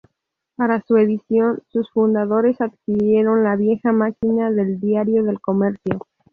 Para su edición, sus fundadores adquirieron la vieja máquina del Diario del Comercio.